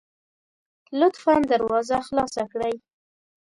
لطفا دروازه خلاصه کړئ